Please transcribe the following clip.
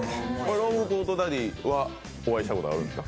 ロングコートダディはお会いしたことあるんですか？